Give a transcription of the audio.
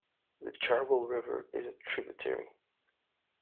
The Charwell River is a tributary.